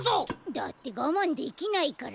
だってがまんできないから。